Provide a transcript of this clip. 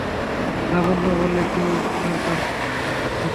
লাবণ্য বললে, কী দরকার মিতা।